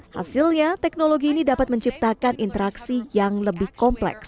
hasilnya teknologi ini dapat menciptakan interaksi yang lebih kompleks